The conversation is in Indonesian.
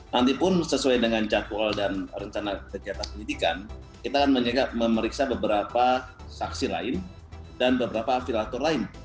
nanti pun sesuai dengan catwalk dan rencana kekejataan penyidikan kita akan menyegak meriksa beberapa saksi lain dan beberapa afiliator lain